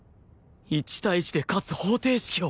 １対１で勝つ方程式を